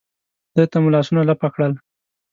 خدای ته مو لاسونه لپه کړل.